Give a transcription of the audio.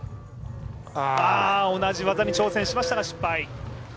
同じ技に挑戦しましたが失敗。